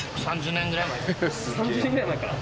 ３０年ぐらい前から？